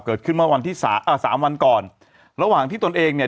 เกิดขึ้นมาวันที่๓วันก่อนระหว่างที่ตนเองเนี่ย